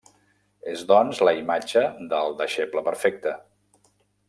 És doncs la imatge del deixeble perfecte.